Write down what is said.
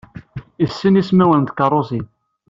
Yessen ismawen n tkeṛṛusin.